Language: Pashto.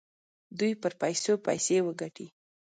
دوی پر پیسو پیسې وګټي.